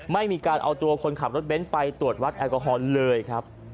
ไม่มีการเอาตัวคนขับรถเบ้นไปตรวจวัดแอลกอฮอลเลยครับ